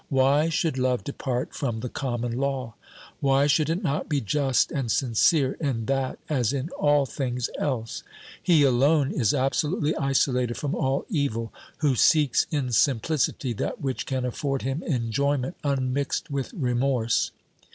Why should love depart from the common law? Why should it not be just and sincere in that as in all things else? He alone is absolutely isolated from all evil who seeks in simplicity that which can afford him enjoyment unmixed with remorse.